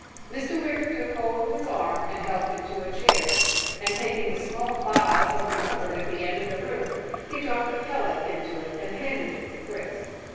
Mr. Wicker took hold of his arm and helped him to a chair, and taking a small vial from the cupboard at the end of the room, he dropped a pellet into it and handed it to Chris.